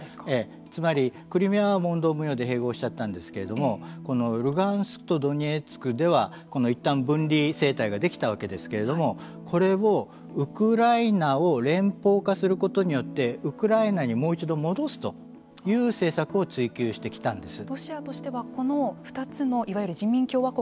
つまりクリミアは問答無用で併合したんですけれどもルガンスクとドネツクではいったん分離政権ができたんですがこれをウクライナを連邦化することによってウクライナに、もう一度戻すという政策を追及してきたんです。